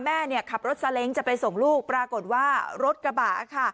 แม่ขับรถซาเล้งจะไปส่งลูกปรากฏว่ารถกระบะค่ะ